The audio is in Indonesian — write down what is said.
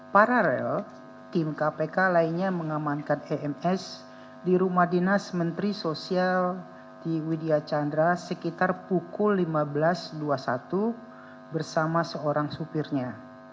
paralel tim kpk lainnya mengamankan ems di rumah dinas menteri sosial di widya chandra sekitar pukul lima belas dua puluh satu bersama seorang supirnya